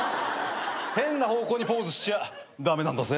変な方向にポーズしちゃ駄目なんだぜ。